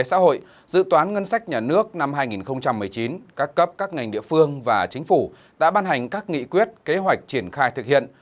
trước năm hai nghìn một mươi chín các cấp các ngành địa phương và chính phủ đã ban hành các nghị quyết kế hoạch triển khai thực hiện